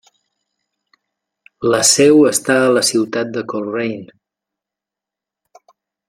La seu està a la ciutat de Coleraine.